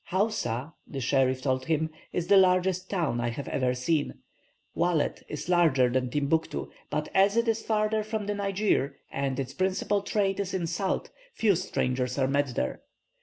"Houssa," a scherif told him, "is the largest town I have ever seen. Walet is larger than Timbuctoo, but as it is farther from the Niger, and its principal trade is in salt, few strangers are met there.